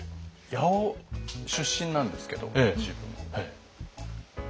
八尾出身なんですけど自分。